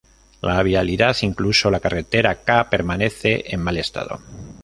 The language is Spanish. La vialidad incluso la carretera K, permanece en mal estado.